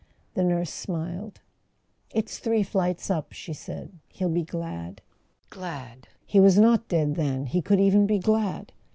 The nurse smiled. "It's three flights up," she said; "he'll be glad." Glad! He was not dead, then; he could even be glad